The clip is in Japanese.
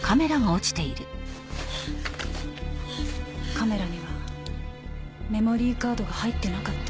カメラにはメモリーカードが入ってなかった。